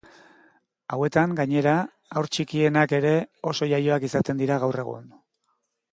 Hauetan, gainera, haur txikienak ere oso iaioak izaten dira gaur egun.